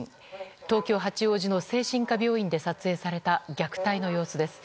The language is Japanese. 東京・八王子の精神科病院で撮影された虐待の様子です。